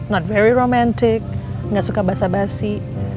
not very romantic nggak suka basa basi